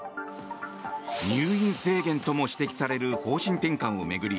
入院制限とも指摘される方針転換を巡り